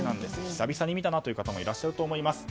久々に見たという方もいらっしゃると思います。